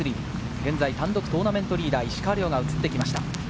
現在、単独トーナメントリーダー・石川遼が移ってきました。